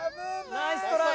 ナイストライ。